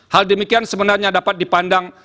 hal demikian sebenarnya dapat dipandang